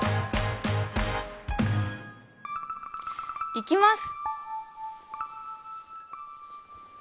いきます！